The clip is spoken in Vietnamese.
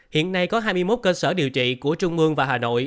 hiện nay có hai mươi một cơ sở điều trị của trung mương và hà nội